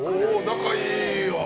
仲いいわ！